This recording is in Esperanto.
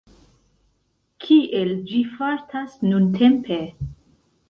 Kiel ĝi fartas nuntempe?